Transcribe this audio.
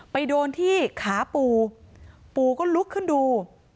ไปโดนที่ขาปู่ก็ลุกขึ้นดู